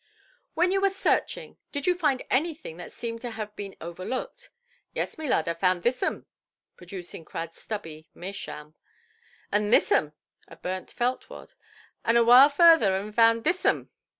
"When you were searching, did you find anything that seemed to have been overlooked"? "Yees, my lard, I vound thissom"—producing Cradʼs stubby meerschaum—"and thissom"—a burnt felt–wad—"and a whaile vurther, ai vound thissom".